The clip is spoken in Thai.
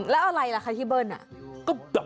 แล้วอะไรล่ะคะพี่เบิ้ล